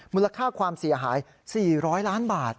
มูลค่าความเสียหาย๔๐๐ล้านบาท